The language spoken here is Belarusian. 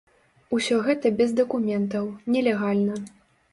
Усё гэта без дакументаў, нелегальна.